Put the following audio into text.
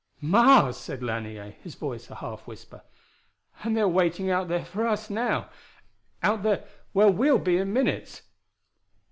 "Mars," said Lanier, his voice a half whisper. "And they're waiting out there for us now out there where we'll be in minutes!"